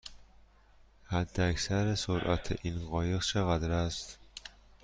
حداکثر سرعت این قایق چقدر است؟